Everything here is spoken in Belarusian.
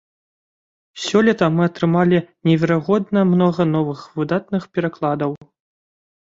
Сёлета мы атрымалі неверагодна многа новых выдатных перакладаў.